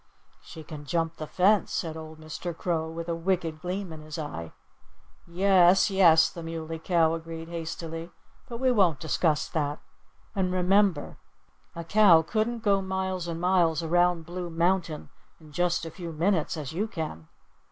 "She can jump the fence," said old Mr. Crow with a wicked gleam in his eye. "Yes! yes!" the Muley Cow agreed hastily. "But we won't discuss that. And remember a cow couldn't go miles and miles around Blue Mountain in just a few minutes, as you can."